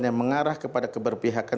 yang mengarah kepada keberpihakan